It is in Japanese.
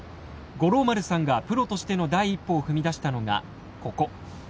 五郎丸さんがプロとしての第一歩を踏み出したのがここ。